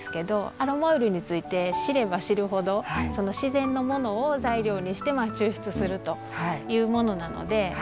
アロマオイルについて知れば知るほど自然のものを材料にして抽出するというものなので。